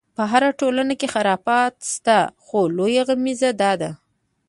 په هره ټولنه کې خرافات شته، خو لویه غمیزه دا ده.